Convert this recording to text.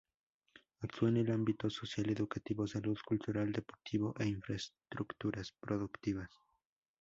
Actúa en el ámbito social-educativo, salud, cultural-deportivo e infraestructuras productivas.